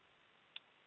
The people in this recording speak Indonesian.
dan remaja itu